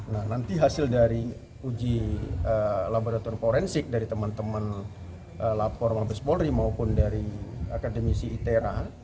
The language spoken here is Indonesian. nah nanti hasil dari uji laboratorium forensik dari teman teman lapor mabes polri maupun dari akademisi itera